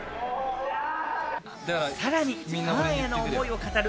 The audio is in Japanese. さらにファンへの思いを語る